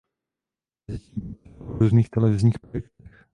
Mezitím pracovala v různých televizních projektech.